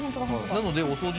なのでお掃除